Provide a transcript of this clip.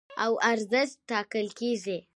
او ارزښت ټاکل کېږي.